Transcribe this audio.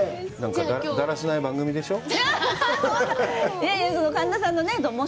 だらしない番組でしょう？